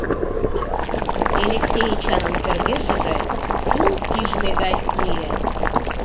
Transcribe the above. Элексей Эчанын кӧргешыже тул пижме гай лие.